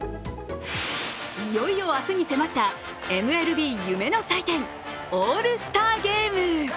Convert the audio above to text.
いよいよ明日に迫ったＭＬＢ夢の祭典、オールスターゲーム。